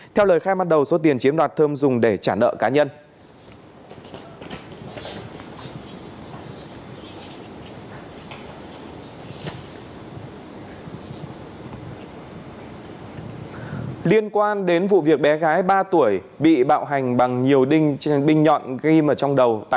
theo lời khai ban đầu số tiền chiếm đoạt thơm dùng để trả nợ cá nhân